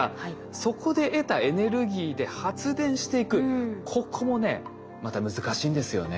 そこで得たエネルギーで発電していくここもねまた難しいんですよね。